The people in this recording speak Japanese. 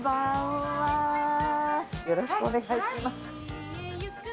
よろしくお願いします。